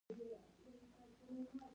محلي شغناني عسکر روزنې لپاره تلل.